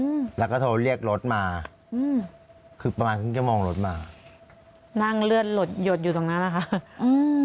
อืมแล้วก็โทรเรียกรถมาอืมคือประมาณครึ่งชั่วโมงรถมานั่งเลือดหลดหยดอยู่ตรงนั้นนะคะอืม